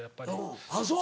あぁそう。